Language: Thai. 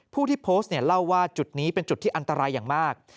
ผู้ที่โพสต์เนี่ยเล่าว่าจุดนี้เป็นจุดที่อันตรายอย่างมาก